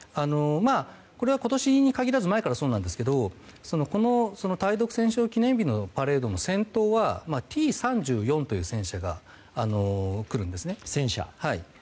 これは今年に限らず前からそうなんですが対独戦勝記念日のパレードの車両はＴ３４という戦車が来るんですね。